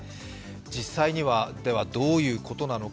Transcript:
実際にはどういうことなのか？